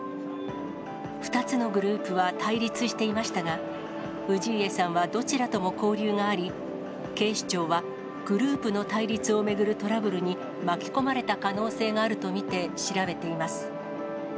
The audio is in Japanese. ２つのグループは対立していましたが、氏家さんはどちらとも交流があり、警視庁はグループの対立を巡るトラブルに巻き込まれた可能性があると見て調べています。